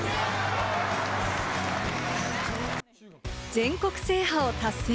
全国制覇を達成！